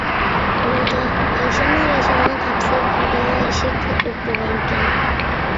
ھويلىدا ئايشەمنىڭ ياشانغان ئاپىسى يىڭنە ئىشى قىلىپ ئولتۇرغانىكەن.